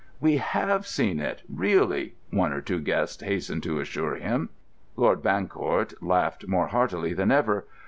"We have seen it—really," one or two guests hastened to assure him. Lord Bancourt laughed more heartily than ever.